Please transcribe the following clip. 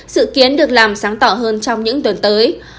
sự kiến được làm sáng tỏ hơn trong những tuần tới